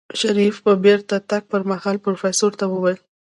شريف د بېرته تګ پر مهال پروفيسر ته وويل.